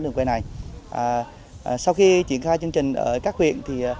đường quê này sau khi triển khai chương trình ở các huyện thì